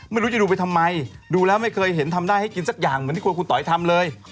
ไม่รู้จะดูไปทำไมดูแล้วไม่เคยเห็นทำได้ให้กินสักอย่างเหมือนที่คุณต๋อยทำเลย